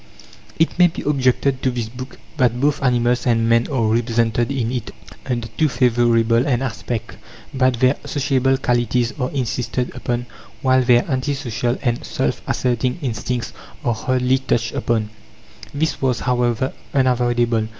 It may be objected to this book that both animals and men are represented in it under too favourable an aspect; that their sociable qualities are insisted upon, while their anti social and self asserting instincts are hardly touched upon. This was, however, unavoidable.